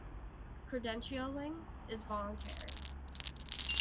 Credentialing is voluntary.